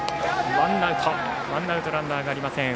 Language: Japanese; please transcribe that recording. ワンアウトランナーがありません。